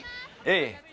ええ。